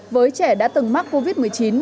với trẻ đã từng mắc covid một mươi chín